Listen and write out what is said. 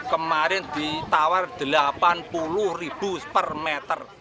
kemarin ditawar rp delapan puluh ribu per meter